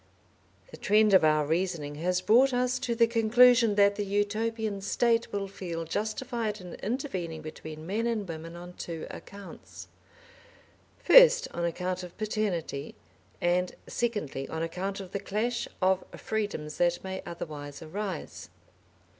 The trend of our reasoning has brought us to the conclusion that the Utopian State will feel justified in intervening between men and women on two accounts, first on account of paternity, and secondly on account of the clash of freedoms that may otherwise arise.